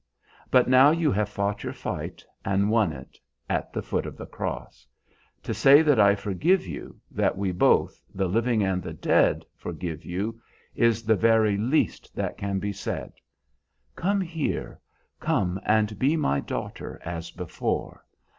But now you have fought your fight and won it, at the foot of the cross. To say that I forgive you, that we both, the living and the dead, forgive you, is the very least that can be said. Come here! Come and be my daughter as before!